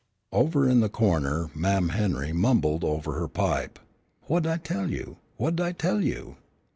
Over in the corner Mam' Henry mumbled over her pipe, "Wha'd I tell you? wha'd I tell you?"